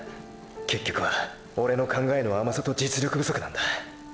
結局はオレの考えの甘さと実力不足なんだ。